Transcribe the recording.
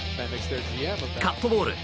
カットボール。